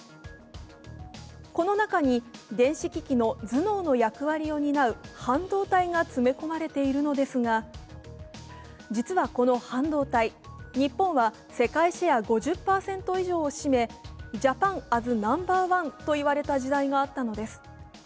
この中に電子機器の頭脳の役割を担う半導体が詰め込まれているのですが実はこの半導体、日本は世界シェア５０％を占め「ジャパン・アズ・ナンバーワン」といわれた時代があったのです。